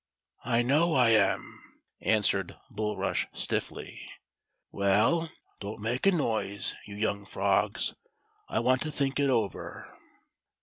" I know I am," answered Bulrush stiffly. " Well, don't make a noise, you young frogs ; I want to think it over."